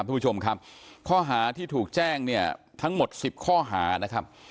คุณผู้ชมครับข้อหาที่ถูกแจ้งเนี่ยทั้งหมด๑๐ข้อหานะครับ